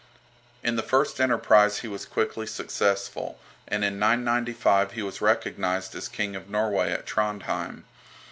In the first enterprise he was quickly successful, and in 995 he was recognized as King of Norway at Trondhjem.